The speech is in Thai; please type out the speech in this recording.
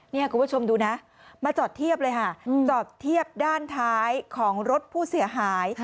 นี่คุณผู้ชมดูนะมาจอดเทียบเลยค่ะจอดเทียบด้านท้ายของรถผู้เสียหาย